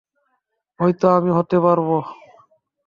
হয়তো আমি হতে পারব।